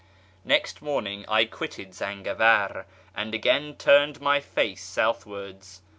Next morning I quitted Zaugavar, and iiL^iiin turned my face southwards.